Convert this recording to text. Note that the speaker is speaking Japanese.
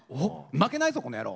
負けないぞこの野郎！